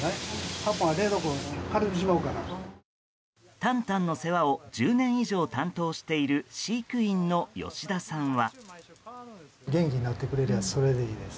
タンタンの世話を１０年以上担当している飼育員の吉田さんは。